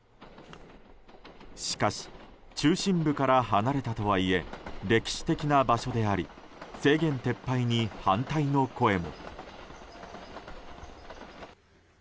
しかし、中心部から離れたとはいえ歴史的な場所であり制限撤廃に反対の声も。